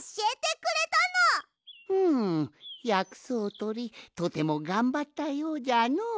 うんやくそうとりとてもがんばったようじゃのう。